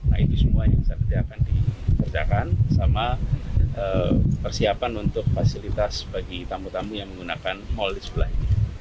nah itu semua yang akan dikerjakan sama persiapan untuk fasilitas bagi tamu tamu yang menggunakan mal di sebelah ini